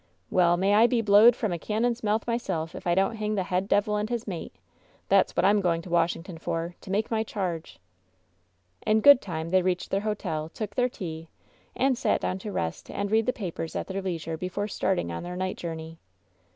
"Well, may I be blowed from a cannon's mouth my * self if I don't hang the head devil and his mate/ That's 68 WHEN SHADOWS DIE what I'm going to Washington for — ^to make my charge." In good time they reached their hotel, took their tea, and sat down to rest and read the papers at their leisure before starting on their night journey.